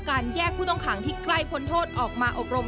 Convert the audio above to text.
การแยกผู้ต้องขังที่ใกล้พ้นโทษออกมาอบรม